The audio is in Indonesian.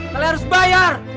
kalian harus bayar